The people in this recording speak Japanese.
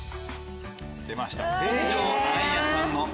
出ました。